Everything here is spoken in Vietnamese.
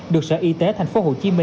được sở y tế tp hcm